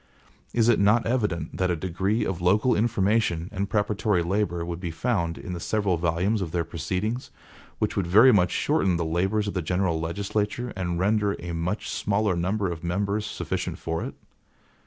Is it not evident that a degree of local information and preparatory labor would be found in the several volumes of their proceedings, which would very much shorten the labors of the general legislature, and render a much smaller number of members sufficient for it?